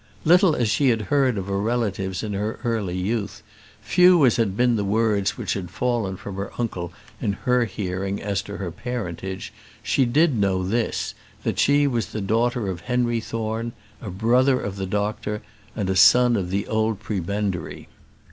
Little as she had heard of her relatives in her early youth, few as had been the words which had fallen from her uncle in her hearing as to her parentage, she did know this, that she was the daughter of Henry Thorne, a brother of the doctor, and a son of the old prebendary.